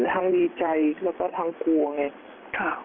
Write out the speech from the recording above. ทั้งดีใจแล้วก็ทั้งกลัวไง